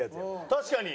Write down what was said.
確かに。